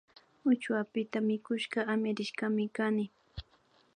Uchuapita mikushpa amirishkami kani